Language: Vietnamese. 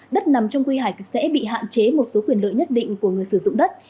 đất nằm trong quy hoạch sẽ bị hạn chế một số quyền lợi nhất định của người sử dụng đất